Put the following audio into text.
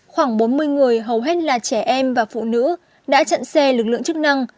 khoảng bốn mươi người hầu hết là trẻ em và phụ nữ đã chặn xe lực lượng chức năng